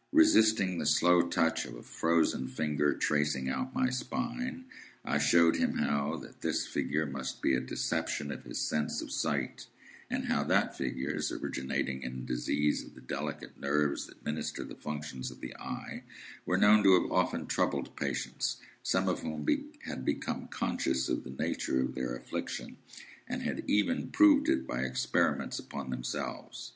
'" Resisting the slow touch of a frozen finger tracing out my spine, I showed him how that this figure must be a deception of his sense of sight; and how that figures, originating in disease of the delicate nerves that minister to the functions of the eye, were known to have often troubled patients, some of whom had become conscious of the nature of their affliction, and had even proved it by experiments upon themselves.